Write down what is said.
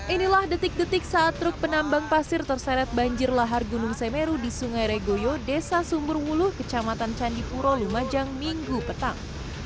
inilah detik detik saat truk penambang pasir terseret banjir lahar gunung semeru di sungai regoyo desa sumberwulu kecamatan candipuro lumajang minggu petang